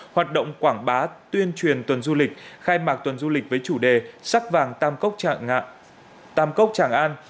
hoạt động quảng bá tuyên truyền tuần du lịch khai mạc tuần du lịch với chủ đề sắc vàng tam cốc tam cốc tràng an